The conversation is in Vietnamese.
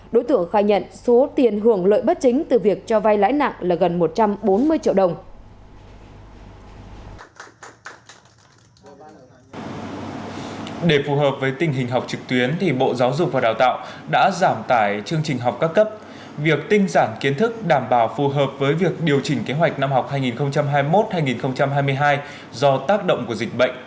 đối tượng khai nhận số tiền hưởng lợi bất chính từ việc cho vay lãi nặng là gần một trăm bốn mươi triệu đồng